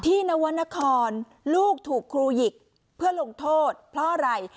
นวรรณครลูกถูกครูหยิกเพื่อลงโทษเพราะอะไร